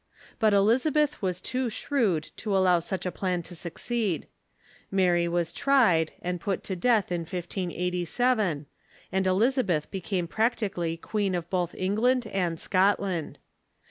But Elizabeth was too shrewd to allow such a plan to succeed. Mary Avas tried, and put to death in 1587, and Elizabeth became practically queen of both England and Scotland.